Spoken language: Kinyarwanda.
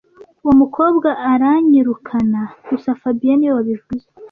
Uwo mukobwa aranyirukana gusa fabien niwe wabivuze